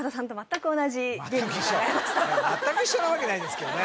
全く一緒全く一緒なわけないですけどね